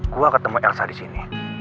gue ketemu elsa di sini